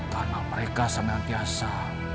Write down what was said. karena mereka semangat biasa